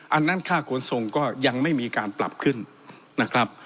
อันนั้นค่าขนส่งก็ยังไม่มีการปรับขึ้นนะครับ